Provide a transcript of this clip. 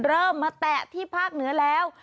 เริ่มมาแตะที่ภาคเหนือแล้ว